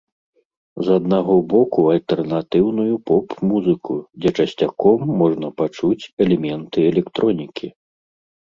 З аднаго боку альтэрнатыўную поп-музыку, дзе часцяком можна пачуць элементы электронікі.